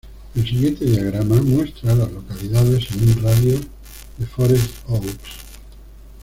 El siguiente diagrama muestra a las localidades en un radio de de Forest Oaks.